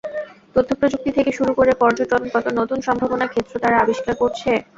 তথ্যপ্রযুক্তি থেকে শুরু করে পর্যটন—কত নতুন সম্ভাবনার ক্ষেত্র তারা আবিষ্কার করছে।